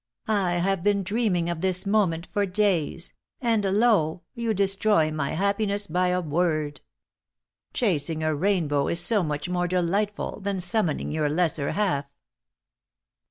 "I have been dreaming of this moment for days, and, lo! you destroy my happiness by a word. Chasing a rainbow is so much more delightful that summoning your lesser half!"